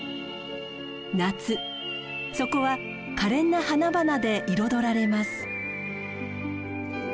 夏そこはかれんな花々で彩られます。